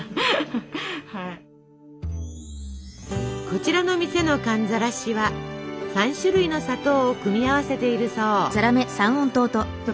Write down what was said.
こちらの店の寒ざらしは３種類の砂糖を組み合わせているそう。